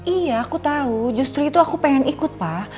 iya aku tahu justru itu aku pengen ikut pak